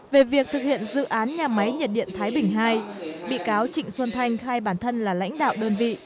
về việc thực hiện dự án nhà máy nhiệt điện thái bình ii bị cáo trịnh xuân thanh khai bản thân là lãnh đạo đơn vị